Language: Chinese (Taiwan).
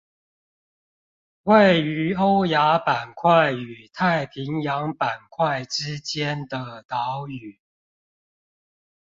位於歐亞板塊與太平洋板塊之間的島嶼